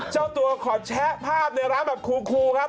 เจ้าตัวขอแชะภาพในร้านแบบคูครับ